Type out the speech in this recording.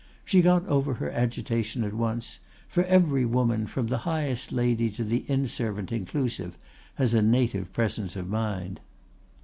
She got over her agitation at once; for every woman, from the highest lady to the inn servant inclusive, has a native presence of mind.